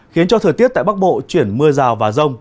khiến cho thời tiết tại bắc bộ chuyển mưa rào và rông